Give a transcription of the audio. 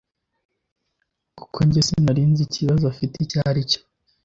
kuko njye sinari nzi ikibazo afite icyo ari cyo